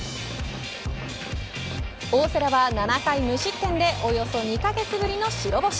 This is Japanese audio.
大瀬良は７回無失点でおよそ２カ月ぶりの白星。